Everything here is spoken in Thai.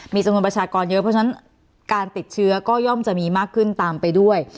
มีจำนวนประชากรเยอะเพราะฉะนั้นการติดเชื้อก็ย่อมจะมีมากขึ้นตามไปด้วย